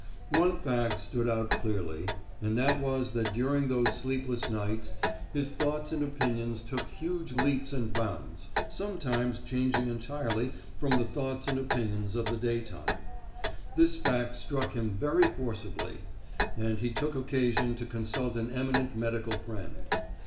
One fact stood out clearly, and that was that during those sleepless nights his thoughts and opinions took huge leaps and bounds, sometimes changing entirely from the thoughts and opinions of the daytime. This fact struck him very forcibly; and he took occasion to consult an eminent medical friend.